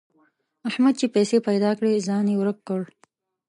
احمد چې پیسې پيدا کړې؛ ځان يې ورک کړ.